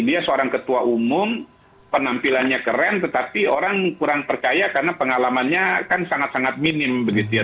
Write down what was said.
dia seorang ketua umum penampilannya keren tetapi orang kurang percaya karena pengalamannya kan sangat sangat minim begitu ya